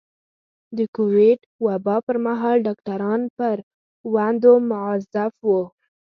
د کوويډ وبا پر مهال ډاکټران پر دندو مؤظف وو.